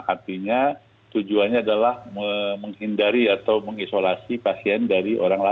artinya tujuannya adalah menghindari atau mengisolasi pasien dari orang lain